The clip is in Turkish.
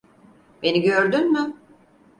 Beni gördün mü?